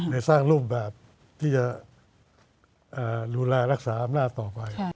ในสร้างรูปแบบที่จะดูแลรักษาอำนาจต่อไป